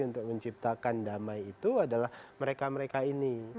untuk menciptakan damai itu adalah mereka mereka ini